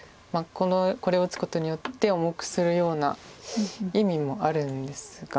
これを打つことによって重くするような意味もあるんですが。